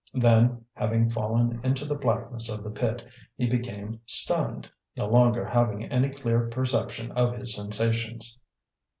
Then, having fallen into the blackness of the pit, he became stunned, no longer having any clear perception of his sensations.